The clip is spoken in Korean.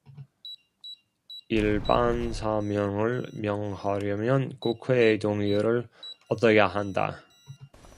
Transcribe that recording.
일반사면을 명하려면 국회의 동의를 얻어야 한다.